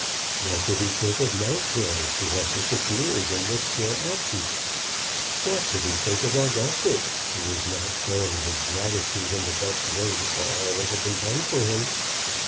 What did he think of Mountjoy, who had disappeared and was still absent? What did he think of Augustus, who was not showing his gratitude in the best way for all that had been done for him?